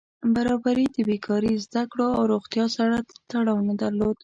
برابري د بېکاري، زده کړو او روغتیا سره تړاو نه درلود.